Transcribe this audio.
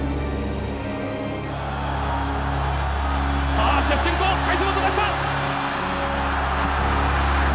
さあシェフチェンコ快足を飛ばした！